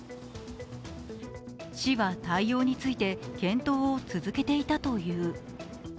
市は対応について検討を続けていたという。